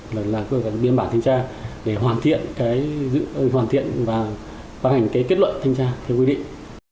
là cơ bản biên bản thanh tra để hoàn thiện và phát hành cái kết luận thanh tra theo quy định